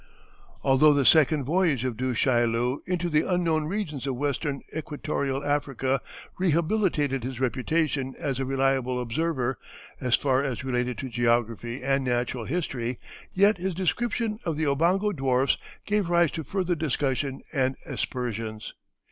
Although the second voyage of Du Chaillu into the unknown regions of Western Equatorial Africa rehabilitated his reputation as a reliable observer, as far as related to geography and natural history, yet his description of the Obongo dwarfs gave rise to further discussion and aspersions.